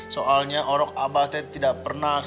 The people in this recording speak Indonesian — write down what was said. soalnya orang abah tidak pernah berantem